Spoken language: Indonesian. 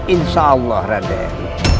insya allah raden